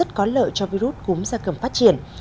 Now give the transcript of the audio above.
có lợi cho virus cúm gia cầm phát triển